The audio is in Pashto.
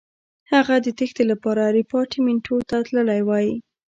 هغه د تېښتې لپاره ریپارټیمنټو ته تللی وای.